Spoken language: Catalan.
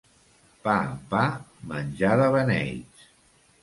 Pa amb pa, menjar de beneits.